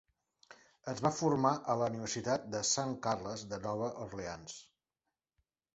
Es va formar a la Universitat de Sant Carles de Nova Orleans.